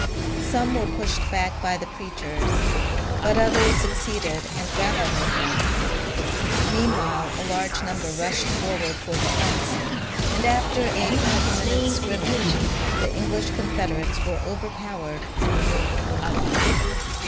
Some were pushed back by the preachers, but others succeeded and grappled with them. Meanwhile a large number rushed forward for defence, and after a twenty min utes' scrimmage the English Confederates were overpowered and removed from the hall.